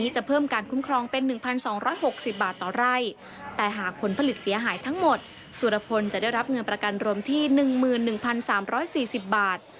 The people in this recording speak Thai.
จะได้รับเงินประกันรวมที่๑๑๓๔๐บาท